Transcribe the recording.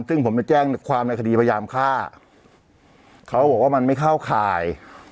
ซึ่งผมจะแจ้งความในคดีพยายามฆ่าเขาบอกว่ามันไม่เข้าข่าย